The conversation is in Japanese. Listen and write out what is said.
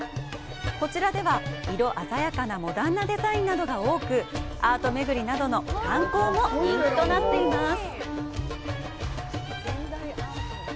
こちらでは、色鮮やかなモダンなデザインが多く、アート巡りなどの観光も人気となっています。